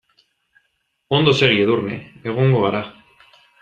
Ondo segi Edurne, egongo gara.